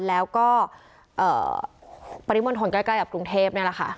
แล้วก็ปริมณฑลใกล้กับกรุงเทพนี่แหละค่ะ